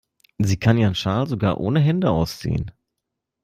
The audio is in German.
Sie kann ihren Schal sogar ohne Hände ausziehen.